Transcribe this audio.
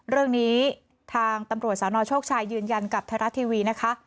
เรื่องนี้ทางตำรวจสนโชคชัยยืนยันกับไทยรัฐทีวีนะคะ